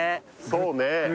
そうね